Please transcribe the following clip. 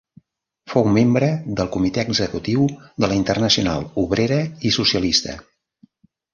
Fou membre del comitè executiu de la Internacional Obrera i Socialista.